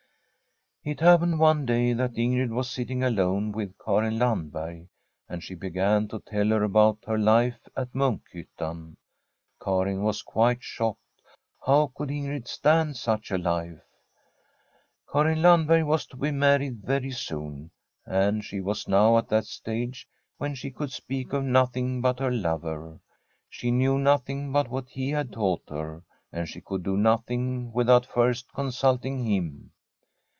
It happened one day that Ingrid was sitting alone with Karin Landberg, and she began to tell her about her life at Munkhyttan. Karin was quite shocked. How could Ingrid stand such a life ? Karin Landberg was to be married very soon. And she was now at that stage when she could speak of nothing but her lover. She knew noth ing but what he had taught her, and she could do nothing without first consulting him.